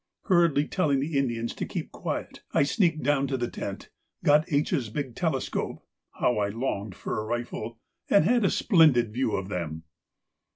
Hurriedly telling the Indians to keep quiet, I sneaked down to the tent, got H.'s big telescope (how I longed for a rifle!) and had a splendid view of them.